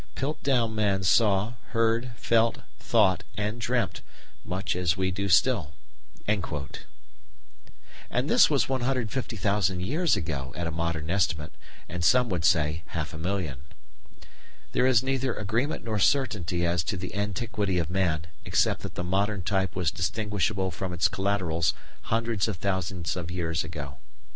Piltdown man saw, heard, felt, thought, and dreamt much as we do still. And this was 150,000 years ago at a modern estimate, and some would say half a million. There is neither agreement nor certainty as to the antiquity of man, except that the modern type was distinguishable from its collaterals hundreds of thousands of years ago.